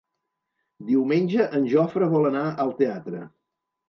Diumenge en Jofre vol anar al teatre.